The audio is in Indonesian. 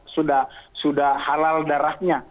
sudah halal darahnya